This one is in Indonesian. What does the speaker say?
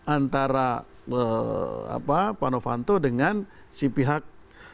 antara pak novanto dengan si pihak